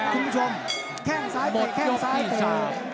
คุณผู้ชมแข่งซ้ายเตะแข่งซ้ายเตะ